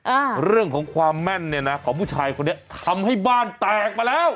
อ่าเรื่องของความแม่นเนี่ยนะของผู้ชายคนนี้ทำให้บ้านแตกมาแล้ว